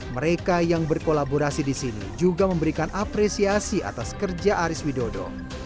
mereka yang berkolaborasi di sini juga memberikan apresiasi atas kerja aris widodo